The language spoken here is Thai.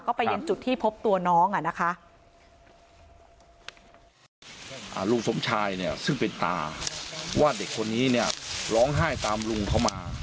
ก็ไปยังจุดที่พบตัวน้องอ่ะนะคะ